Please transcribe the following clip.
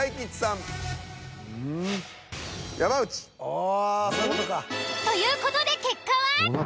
ああそういう事か。という事で結果は。